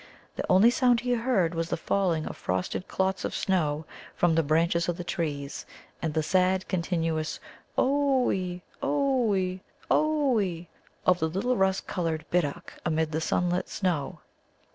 The only sound he heard was the falling of frosted clots of snow from the branches of the trees and the sad, continuous "Oo ee, oo ee, oo ee!" of the little rust coloured Bittock amid the sunlit snow.